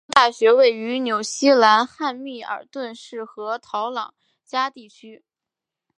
怀卡托大学位于纽西兰汉密尔顿市和陶朗加地区。